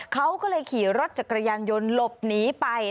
เขาก็เลยขี่รถจักรยานยนต์หลบหนีไป